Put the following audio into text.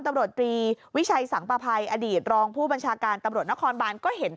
ตำรวจตรีวิชัยสังประภัยอดีตรองผู้บัญชาการตำรวจนครบานก็เห็น